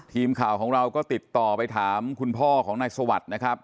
ทีมข่าวของเราก็ติดต่อไปถามคุณพ่อของนายสวัสดิ์นะครับ